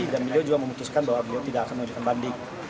dan dia juga memutuskan bahwa dia tidak akan mengajukan banding